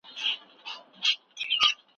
سندي څېړنه له نورو څېړنو بېله ده.